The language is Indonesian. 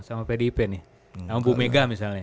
sama pdip nih sama bu mega misalnya